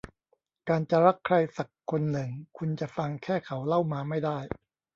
การจะรักใครสักคนหนึ่งคุณจะฟังแค่เขาเล่ามาไม่ได้